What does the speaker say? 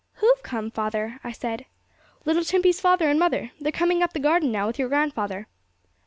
'Who've come, father?' I said. 'Little Timpey's father and mother; they are coming up the garden now with your grandfather!